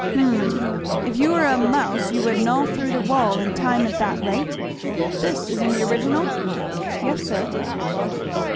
"Hum if you were a mouse you would gnaw through the wall in time at that rate. This is in the original?" "Yes sir."